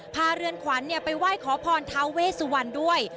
พาเรือนขวัญเนี่ยไปไหว้ขอพรท้าเวสวรรค์ด้วย